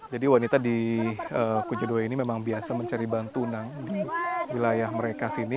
jadi wanita di kujadoy ini memang biasa mencari bantunang di wilayah mereka sini